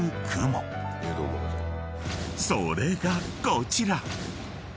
［それがこちら］